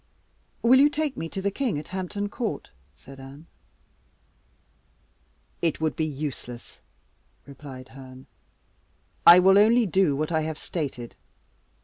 "Will you take me to the king at Hampton Court?" said Anne. "It would be useless," replied Herne. "I will only do what I have stated.